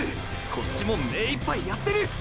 こっちもめいっぱいやってる！！